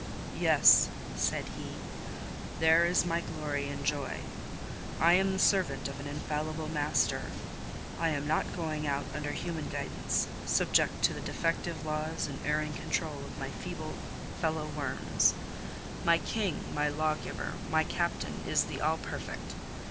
"Yes," said he, "there is my glory and joy. I am the servant of an infallible Master. I am not going out under human guidance, subject to the defective laws and erring control of my feeble fellow worms: my king, my lawgiver, my captain, is the All perfect.